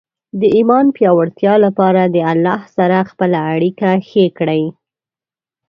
د ایمان پیاوړتیا لپاره د الله سره خپل اړیکه ښې کړئ.